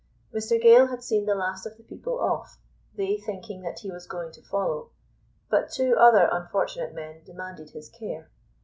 Mr Gale had seen the last of the people off, they thinking that he was going to follow; but two other unfortunate men demanded his care.